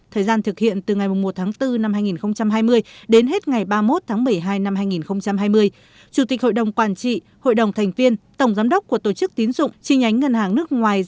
thời gian thực hiện từ ngày một tháng bốn năm hai nghìn hai mươi đến hết ngày ba mươi một tháng một mươi hai năm hai nghìn hai mươi chủ tịch hội đồng quản trị hội đồng thành viên tổng giám đốc của tổ chức tín dụng chi nhánh ngân hàng nước ngoài